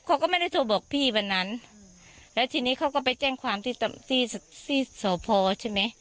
เขาก็ไม่ได้โทรบอกพี่วันนั้นแล้วทีนี้เขาก็ไปแจ้งความที่ที่สพใช่ไหม